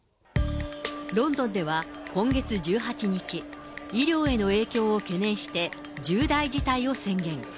ロンドンでは今月１８日、医療への影響を懸念して、重大事態を宣言。